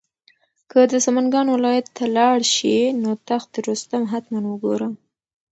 که د سمنګان ولایت ته لاړ شې نو تخت رستم حتماً وګوره.